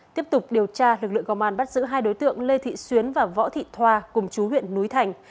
tiếp tục điều tra lực lượng công an bắt giữ hai đối tượng lê thị xuyến và võ thị thoa cùng chú huyện núi thành